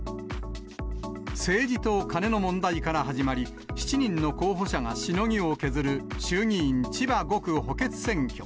政治とカネの問題から始まり、７人の候補者がしのぎを削る衆議院千葉５区補欠選挙。